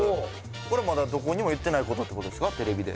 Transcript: これはまだどこにも言ってないことってことですかテレビで？